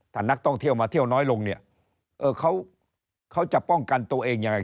ถ้านักท่องเที่ยวมาเที่ยวน้อยลงเนี่ยเออเขาจะป้องกันตัวเองยังไง